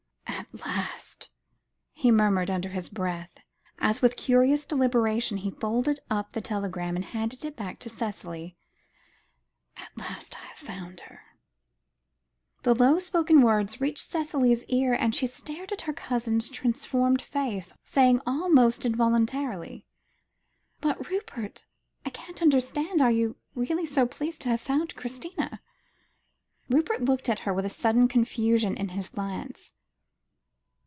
"At last," he murmured under his breath, as with curious deliberation he folded up the telegram, and handed it back to Cicely. "At last I have found her." The low spoken words reached Cicely's ears, and she stared at her cousin's transformed face, saying almost involuntarily "But Rupert I can't understand. Are you really so pleased to have found Christina?" Rupert looked at her with a sudden confusion in his glance.